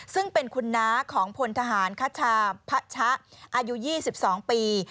ซึ่งเป็นคุณน้าของพลทหารคชาพระชะอายุ๒๒ปี